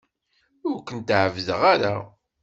Ur kent-ɛebbdeɣ ara.